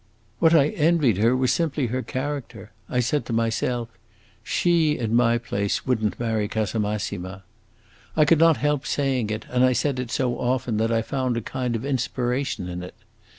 What I envied her was simply her character! I said to myself, 'She, in my place, would n't marry Casamassima.' I could not help saying it, and I said it so often that I found a kind of inspiration in it.